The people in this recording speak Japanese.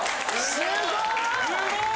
すごい！